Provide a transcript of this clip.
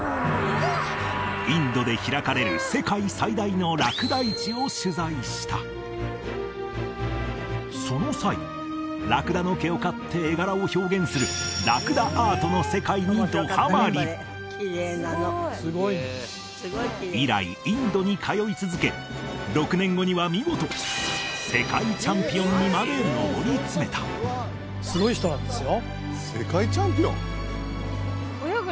インドで開かれる世界最大のラクダ市を取材したその際ラクダの毛を刈って絵柄を表現するラクダアートの世界にどハマり以来インドに通い続け６年後には見事世界チャンピオンにまで上り詰めたすごい人なんですよ